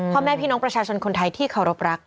พ่อแม่พี่น้องประชาชนคนไทยที่เคารพรัก